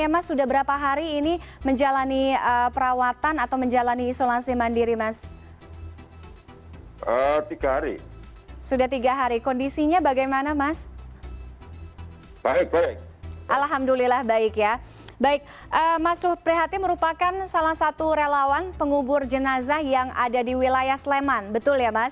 mas supri hatin merupakan salah satu relawan pengubur jenazah yang ada di wilayah sleman betul ya mas